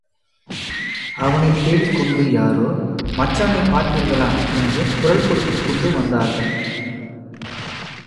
அவனைத் தேடிக்கொண்டு யாரோ மச்சானைப் பார்த்தீர்களா என்று குரல் கொடுத்துக் கொண்டு வந்தார்கள்.